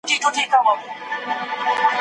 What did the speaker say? ایا د ساینس څېړني د نورو برخو په څېر دي؟